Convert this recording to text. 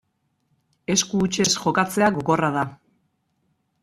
Esku hutsez jokatzea gogorra da.